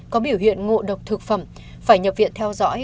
có biểu hiện ngộ độc thực phẩm phải nhập viện theo dõi